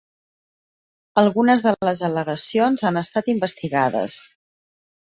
Algunes de les al·legacions han estat investigades.